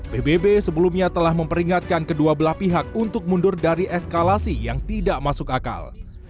pbb sebelumnya telah memperingatkan kedua belah pihak untuk mundur dari eskalasi yang tidak masuk akal